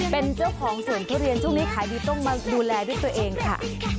เป็นเจ้าของสวนทุเรียนช่วงนี้ขายดีต้องมาดูแลด้วยตัวเองค่ะ